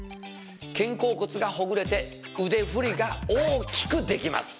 肩甲骨がほぐれて腕振りが大きくできます。